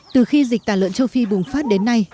từ khi dịch tả lợn châu phi bùng phát đến nay